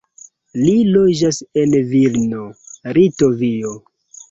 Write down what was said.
Li loĝas en Vilno, Litovio.